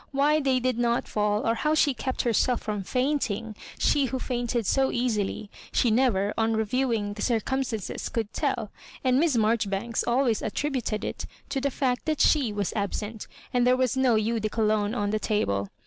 Why they did not fall, or how she kept herself fh>m fainting — she who fainted so easily — she never, on reviewing the circumstances, could tell ; and Miss Marjoribanks always attributed it to the fact that s?ie was absent, and there was no eau de cologne pn the table.